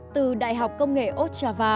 từ đại học công nghệ ottawa